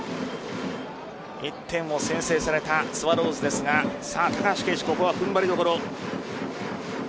１点を先制されたスワローズですが高橋奎二、ここは踏ん張りどころ。